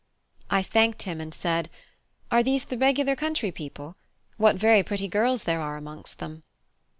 I thanked him, and said: "Are these the regular country people? What very pretty girls there are amongst them."